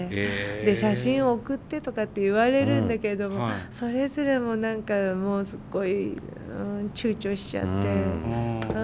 で写真送ってとかって言われるんだけどもそれすらも何かもうすごいちゅうちょしちゃって。